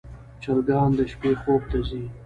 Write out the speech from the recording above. چرګان د شپې خوب ته ځي.